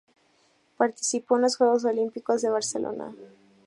Participó en los juegos olímpicos de Barcelona.